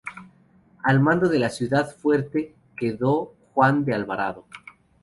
Al mando de la ciudad-fuerte quedó Juan de Alvarado.